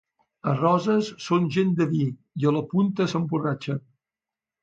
A Roses són gent de vi i a la punta s'emborratxen.